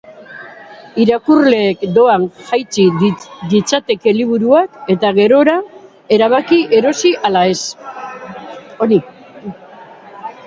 Irakurleek doan jaitsi ditzakete liburuak, eta gerora erabaki erosi ala ez.